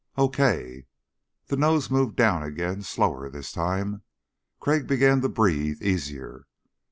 "Okay...." The nose moved down again, slower this time. Crag began to breathe easier.